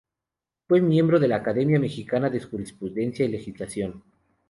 Fue miembro de la Academia Mexicana de Jurisprudencia y Legislación.